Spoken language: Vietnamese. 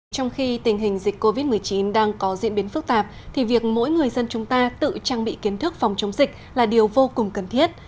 trong khi tình hình dịch covid một mươi chín đang có diễn biến phức tạp thì việc mỗi người dân chúng ta tự trang bị kiến thức phòng chống dịch là điều vô cùng cần thiết